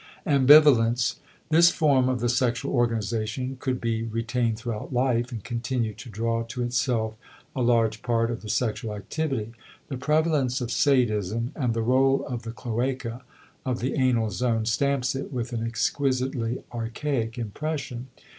*Ambivalence.* This form of the sexual organization could be retained throughout life and continue to draw to itself a large part of the sexual activity. The prevalence of sadism and the rôle of the cloaca of the anal zone stamps it with an exquisitely archaic impression.